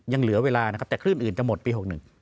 ยังเหลือเวลานะครับแต่คลื่นอื่นจะหมดปี๖๑